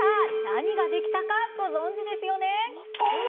何ができたかご存じですよね？